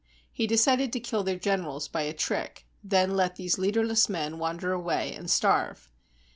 He decided to kill their generals by a trick, and then let these leaderless men wander away and starve.